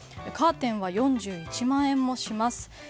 カーテンは４１万円もします。